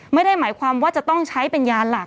ไม่ได้หมายความว่าจะต้องใช้เป็นยาหลัก